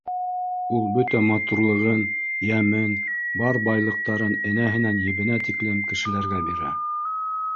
Ул бөтә матурлығын, йәмен, бар байлыҡтарын энәһенән-ебенә тиклем кешеләргә бирә